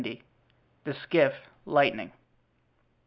The Skiff "Lightning."